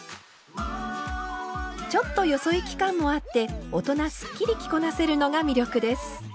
ちょっとよそ行き感もあって大人すっきり着こなせるのが魅力です。